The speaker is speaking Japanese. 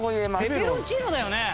ペペロンチーノだよね？